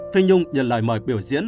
phi nhung nhận lời mời biểu diễn